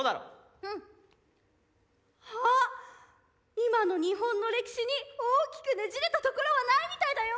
今の日本の歴史に大きくねじれたところはないみたいだよ。